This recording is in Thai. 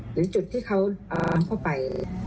หรือจุดที่เขาเข้าไป